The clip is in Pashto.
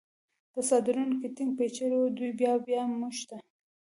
په څادرونو کې ټینګ پېچلي و، دوی بیا بیا موږ ته.